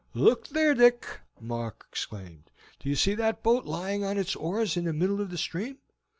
"Look there, Dick!" Mark exclaimed. "Do you see that boat lying on its oars in the middle of the stream?